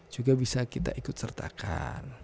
juga bisa kita ikut sertakan